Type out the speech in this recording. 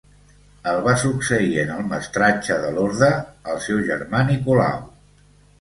El va succeir en el mestratge de l'orde el seu germà Nicolau.